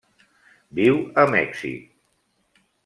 Viu a Mèxic.